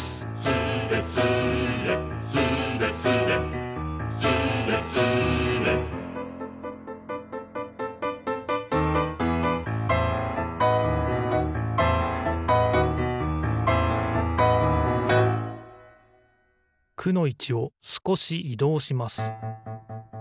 「スレスレスレスレ」「スレスレ」「く」のいちをすこしいどうします。